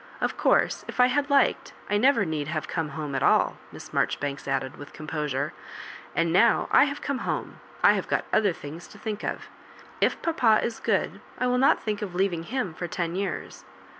Of course, if I had liked, I never need have come home at all," Miss Marjoribanks added, with composure; "and, now I have come home, I have got other things to think of. If papa is good, I will not think of leaving him for ten years."